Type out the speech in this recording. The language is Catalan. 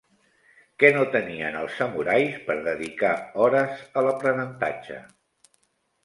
Què no tenien els samurais per dedicar hores a l'aprenentatge?